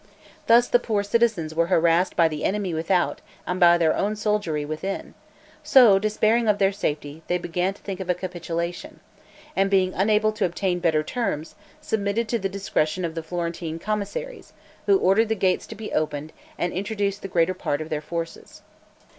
Thus these poor citizens were harassed by the enemy without, and by their own soldiery within; so, despairing of their safety, they began to think of a capitulation; and, being unable to obtain better terms, submitted to the discretion of the Florentine commissaries, who ordered the gates to be opened, and introduced the greater part of their forces.